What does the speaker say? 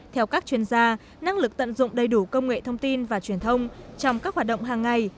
theo các chuyên gia năng lực tận dụng đầy đủ công nghệ thông tin và truyền thông trong các hoạt động hàng ngày